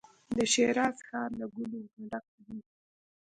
د شیراز ښار له ګلو نو ډک وي.